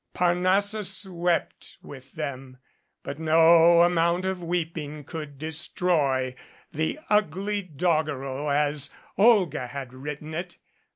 Parnassus wept with them, but no amount of weeping could destroy the ugly doggerel as Olga had written it.